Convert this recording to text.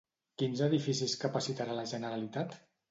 Quins edificis capacitarà la Generalitat?